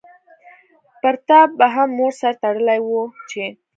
پرتا به هم مور سر تړلی وو چی